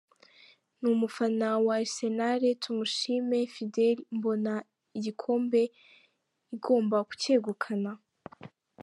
ni umufana wa arisenal tumushime fidele mbona igikombe igomba kukegukana?.